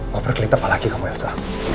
kau berkelita balaki kamu elsa